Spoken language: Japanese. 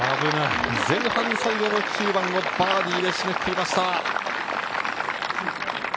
前半最後の９番、バーディーで締めくくりました。